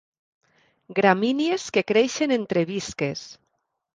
Gramínies que creixen entre visques.